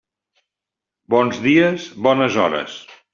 Bons dies, bones hores.